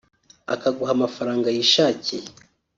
akaguha amafaranga yishakiye